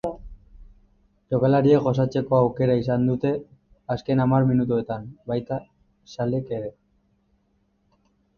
Jokalariek gozatzeko aukera izan dute azken hamar minutuetan, baita zaleek ere.